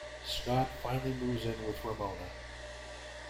Scott finally moves in with Ramona.